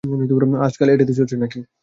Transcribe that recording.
আজকাল এটাই তো চলছে নাকি?